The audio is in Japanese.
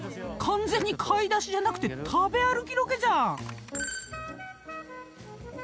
完全に買い出しじゃなくて食べ歩きロケじゃん］